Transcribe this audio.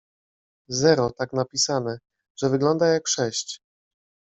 Zero tak napisane, że wygląda jak sześć.